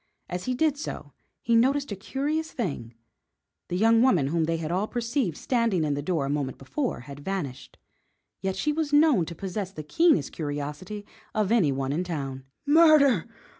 As he did so he noticed a curious thing. The young woman whom they had all perceived standing in the door a moment before had vanished, yet she was known to possess the keenest curiosity of any one in town. "Murder!